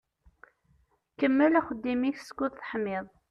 Kemmel axeddim-ik skud teḥmiḍ.